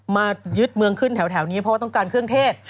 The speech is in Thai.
มายึดเมืองขึ้นแถวนี้เพราะว่าต้องการเครื่องเทศ